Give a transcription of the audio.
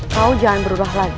kau jangan berulah lagi